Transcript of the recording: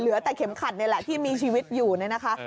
เหลือแต่เข็มขัดนี่แหละที่มีชีวิตอยู่เนี่ยนะคะ